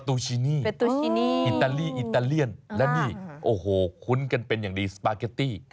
ตูชินีอิตาลีอิตาเลียนและนี่โอ้โหคุ้นกันเป็นอย่างดีสปาเกตตี้